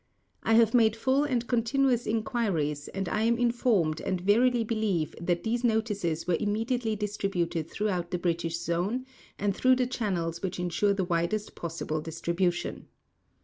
I have made full and continuous enquiries and I am informed and verily believe that these notices were immediately distributed throughout the British Zone and through the channels which ensure the widest possible distribution.